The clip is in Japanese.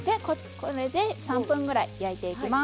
これで３分ぐらい焼いていきます。